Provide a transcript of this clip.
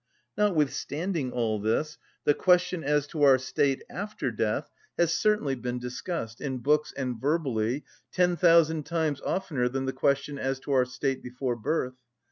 Notwithstanding all this, the question as to our state after death has certainly been discussed, in books and verbally, ten thousand times oftener than the question as to our state before birth.